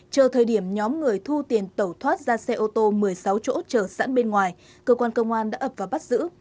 chờ thời điểm nhóm người thu tiền tẩu thoát ra xe ô tô một mươi sáu chỗ chờ sẵn bên ngoài cơ quan công an đã ập vào bắt giữ